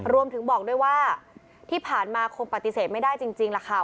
บอกด้วยว่าที่ผ่านมาคงปฏิเสธไม่ได้จริงล่ะค่ะ